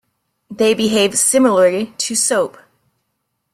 They behave similarly to soap.